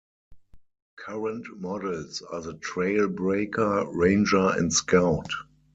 Current models are the Trail-Breaker, Ranger and Scout.